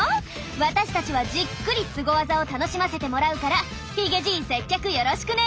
私たちはじっくりスゴワザを楽しませてもらうからヒゲじい接客よろしくね。